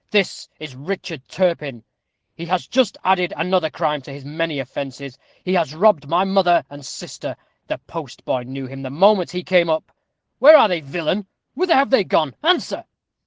This is Richard Turpin. He has just added another crime to his many offences. He has robbed my mother and sister. The postboy knew him the moment he came up. Where are they, villain? Whither are they gone? answer!"